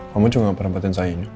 kamu juga gak pernah buatin sayanya